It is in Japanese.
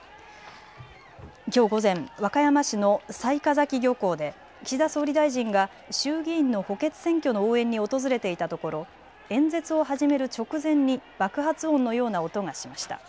きょう午前、和歌山市の雑賀崎漁港で岸田総理大臣が衆議院の補欠選挙の応援に訪れていたところ演説を始める直前に爆発音のような音がしました。